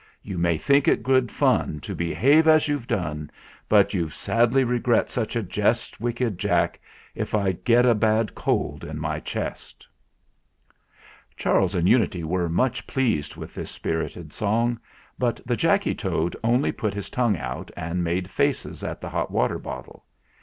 You may think it good fun To behave as you've done; But you'll sadly regret such a jest, wicked Jack, If I get a bad cold on my chest !" Charles and Unity were much pleased with this spirited song ; but the Jacky Toad only put his tongue out and made faces at the hot water bottle.